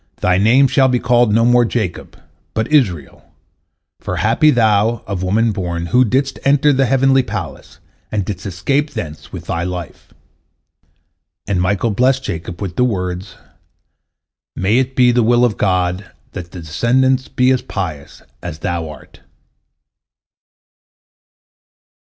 Thy name shall be called no more Jacob, but Israel, for happy thou, of woman born, who didst enter the heavenly palace, and didst escape thence with thy life." And Michael blessed Jacob with the words, "May it be the will of God that thy descendants be as pious as thou art."